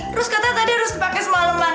terus katanya tadi harus dipake semalam